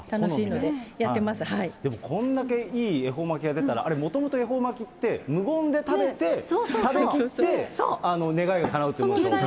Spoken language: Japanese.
でもこれだけいい恵方巻が出たら、あれ、もともと恵方巻って、無言で食べて、食べきって願いがかなうと思うと。